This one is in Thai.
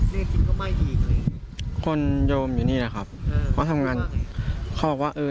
สิงก็ไหม้อีกเลยคนโยมอยู่นี่แหละครับเขาทำงานเขาบอกว่าเออ